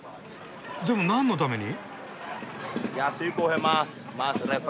でも何のために？